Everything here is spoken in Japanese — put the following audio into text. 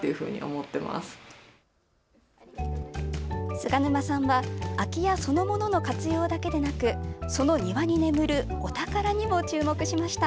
菅沼さんは空き家そのものの活用だけでなくその庭に眠るお宝にも注目しました。